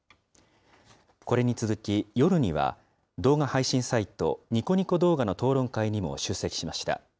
これに続き、夜には動画配信サイトニコニコ動画の討論会にも出席しました。